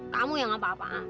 kamu yang apa apaan